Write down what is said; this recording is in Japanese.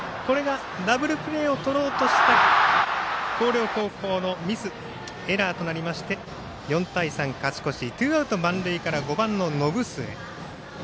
ダブルプレーをとろうとした広陵高校のミスエラーとなりましてツーアウト、満塁から５番の延末。